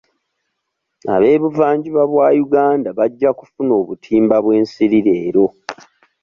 Ab'ebuvanjuba bwa Uganda bajja kufuna obutimba bw'ensiri leero.